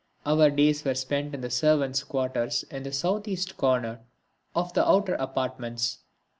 Our days were spent in the servants' quarters in the south east corner of the outer apartments.